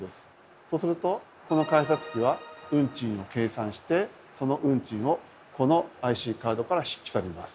そうするとこの改札機は運賃を計算してその運賃をこのＩＣカードから引き去ります。